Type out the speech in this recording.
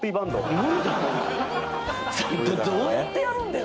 それってどうやってやるんだよ